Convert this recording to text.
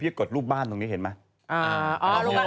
กดรูปบ้านตรงนี้เห็นไหม